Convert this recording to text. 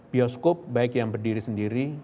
bioskop baik yang berdiri sendiri